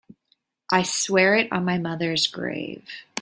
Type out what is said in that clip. I swear it on my mother's grave.